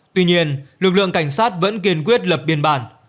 tuy nhiên lực lượng cảnh sát vẫn kiên quyết lập biên bản